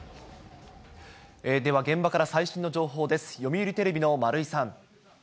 では、現場から最新の情報です。